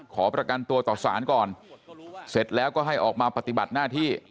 ขอประกันตัวต่อสารก่อนเสร็จแล้วก็ให้ออกมาปฏิบัติหน้าที่